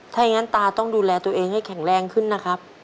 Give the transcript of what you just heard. ถ้าอย่างนั้นตาต้องดูแลตัวเองให้แข็งแรงขึ้นนะครับ